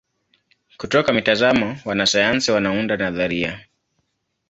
Kutoka mitazamo wanasayansi wanaunda nadharia.